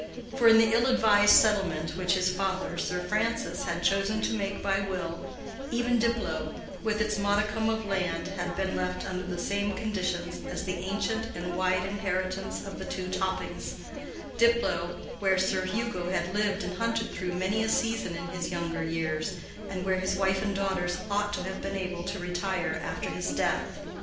For in the ill advised settlement which his father, Sir Francis, had chosen to make by will, even Diplow with its modicum of land had been left under the same conditions as the ancient and wide inheritance of the two Toppings—Diplow, where Sir Hugo had lived and hunted through many a season in his younger years, and where his wife and daughters ought to have been able to retire after his death.